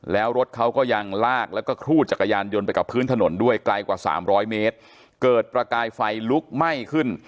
แล้วรถเขาก็ยังลากแล้วก็ครูดจักรยานยนต์ไปกับพื้นถนนด้วยไกลกว่า๓๐๐เมตรเกิดประกายไฟลุกไหม้ขึ้น